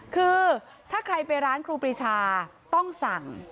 คือถ้าใครไปร้านครูปรีชาต้องสั่ง